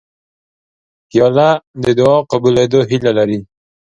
پیاله د دعا قبولېدو هیله لري